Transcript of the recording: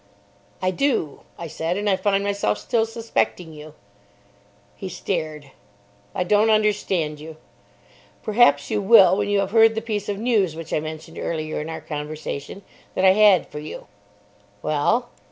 "I do," I said, "and I find myself still suspecting you." He stared. "I don't understand you." "Perhaps you will when you have heard the piece of news which I mentioned earlier in our conversation that I had for you." "Well?"